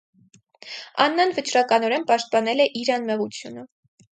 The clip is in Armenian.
Աննան վճռականորեն պաշտպանել է իր անմեղությունը։